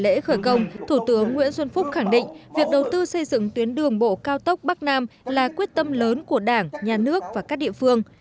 lễ khởi công thủ tướng nguyễn xuân phúc khẳng định việc đầu tư xây dựng tuyến đường bộ cao tốc bắc nam là quyết tâm lớn của đảng nhà nước và các địa phương